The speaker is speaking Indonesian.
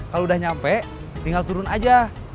kalau udah nyampe tinggal turun aja